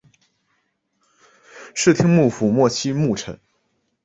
室町幕府末期幕臣。